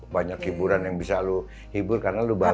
banyak hiburan yang bisa lu hibur karena lu bagus